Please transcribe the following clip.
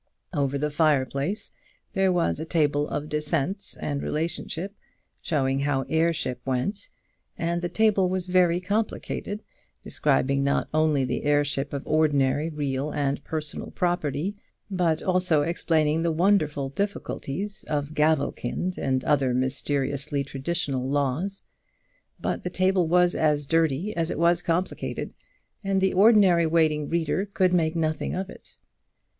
Over the fireplace there was a table of descents and relationship, showing how heirship went; and the table was very complicated, describing not only the heirship of ordinary real and personal property, but also explaining the wonderful difficulties of gavelkind, and other mysteriously traditional laws. But the table was as dirty as it was complicated, and the ordinary waiting reader could make nothing of it.